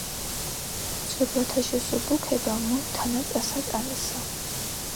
ცოდვათა შესუბუქება, მუნ თანა წასატანისა.